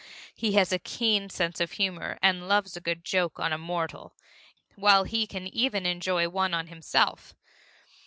He has a keen sense of humor and loves a good joke on a mortal, while he can even enjoy one on himself.